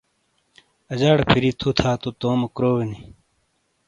اَجاڑے پھِیری تھُو تھا تو تومو کروئے نی۔